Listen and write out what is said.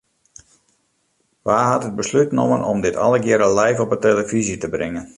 Wa hat it beslút nommen om dit allegearre live op 'e telefyzje te bringen?